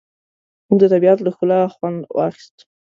موږ د طبیعت له ښکلا خوند واخیست.